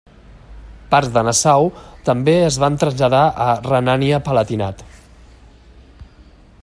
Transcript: Parts de Nassau també es van traslladar a Renània-Palatinat.